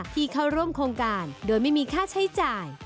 ที่เข้าร่วมโครงการโดยไม่มีค่าใช้จ่าย